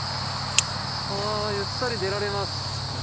ゆったり寝られます！